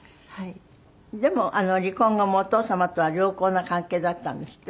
でも離婚後もお父様とは良好な関係だったんですって？